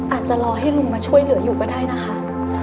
อาจจะรอให้ลุงมาช่วยเหลืออยู่ก็ได้นะคะ